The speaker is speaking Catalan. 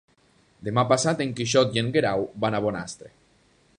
Demà passat en Quixot i en Guerau van a Bonastre.